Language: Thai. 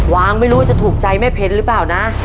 วางไม่รู้จะถูกใจแม่เพนหรือเปล่านะ